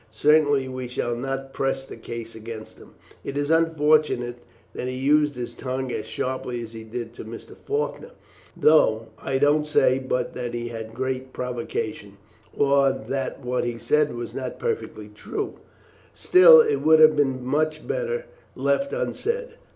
Certainly, we shall not press the case against him. It is unfortunate that he used his tongue as sharply as he did to Mr. Faulkner, though I don't say but that he had great provocation, or that what he said was not perfectly true; still, it would have been much better left unsaid.